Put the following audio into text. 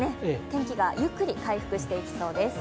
天気がゆっくり回復していきそうです。